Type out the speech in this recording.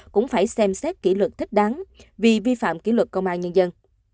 cũng phải xem xét kỷ luật thích đáng vì vi phạm kỷ luật công an nhân dân